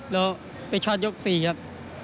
แล้วไปชอตยก๔ครับ